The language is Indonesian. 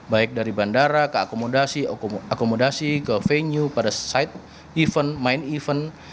baik dari bandara ke akomodasi akomodasi ke venue pada side event main event